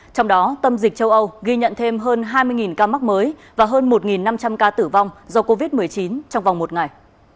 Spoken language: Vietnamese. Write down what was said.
trong đó tâm dịch châu âu ghi nhận thêm hơn hai mươi ca mắc mới và hơn một năm trăm linh ca tử vong do covid một mươi chín trong vòng một ngày